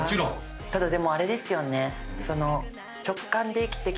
ただでもあれですよね。